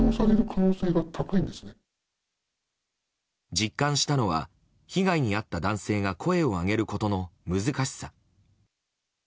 実感したのは被害に遭った男性が声を上げることの難しさ。